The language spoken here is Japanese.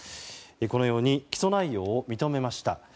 このように起訴内容を認めました。